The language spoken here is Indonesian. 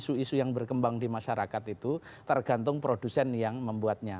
isu isu yang berkembang di masyarakat itu tergantung produsen yang membuatnya